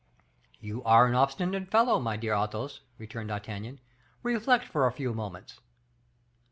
"You are an obstinate fellow, my dear Athos," returned D'Artagnan, "reflect for a few moments."